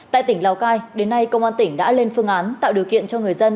tại tỉnh lào cai đến nay công an tỉnh đã lên phương án tạo điều kiện cho người dân